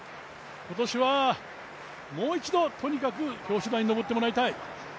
今年はもう一度、とにかく表彰台に上ってもらいたい。